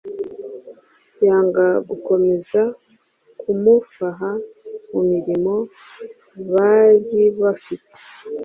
yanga gukomeza kumufaha mumirimo baribafite